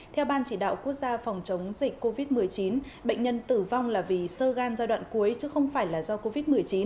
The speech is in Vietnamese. theo ban chỉ đạo quốc gia phòng chống dịch covid một mươi chín bệnh nhân tử vong là vì sơ gan giai đoạn cuối chứ không phải là do covid một mươi chín